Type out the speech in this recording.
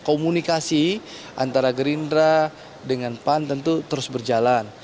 komunikasi antara gerindra dengan pan tentu terus berjalan